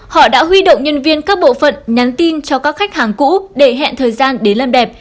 họ đã huy động nhân viên các bộ phận nhắn tin cho các khách hàng cũ để hẹn thời gian để làm đẹp